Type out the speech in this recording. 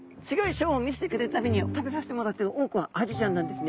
ショーを見せてくれる度に食べさせてもらってる多くはアジちゃんなんですね。